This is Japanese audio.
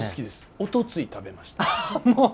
おとつい、食べました。